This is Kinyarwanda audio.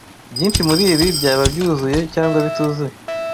Byinshi muribi, byaba byuzuye cyangwa bituzuye